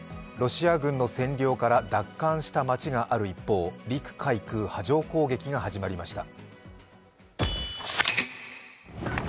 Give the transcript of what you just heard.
ロシア軍の占領から、奪還した町がある一方、陸海空、波状攻撃が始まりました。